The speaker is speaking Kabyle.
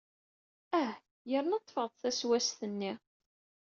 Ah, yerna ḍḍfeɣ-d taswast-nni!